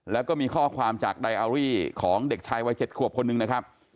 แล้วก็มีข้อความจากไดอารี่ของเด็กชายวัย๗ขวบคนหนึ่งนะครับ